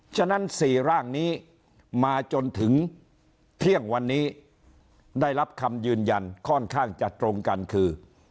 ฉะนั้น๔ร่างนี้มาจนถึงเที่ยงวันนี้ได้รับคำยืนยันค่อนข้างจะตรงกันคือ